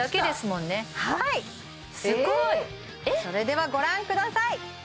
それではご覧ください